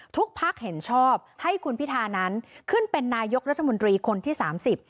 ภักดิ์เห็นชอบให้คุณพิธานั้นขึ้นเป็นนายกรัฐมนตรีคนที่สามสิบ